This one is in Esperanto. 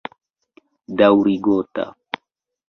Daŭrigota.